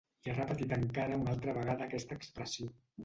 I ha repetit encara una altra vegada aquesta expressió.